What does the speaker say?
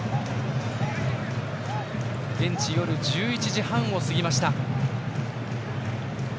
現地夜１１時半を過ぎました。